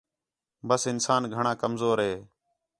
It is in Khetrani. ٻس انسان گھݨاں کمزور ہِے